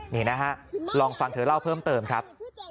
นี่นะฮะลองฟังเธอเล่าเพิ่มเติมครับ